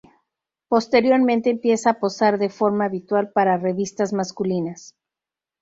Posteriormente empieza a posar de forma habitual para revistas masculinas.